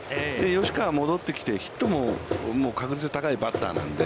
吉川、戻ってきて、ヒットも確率が高いバッターなので。